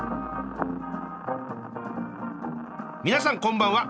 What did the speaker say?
皆さんこんばんは。